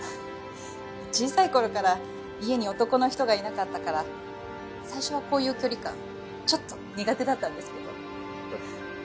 小さい頃から家に男の人がいなかったから最初はこういう距離感ちょっと苦手だったんですけど。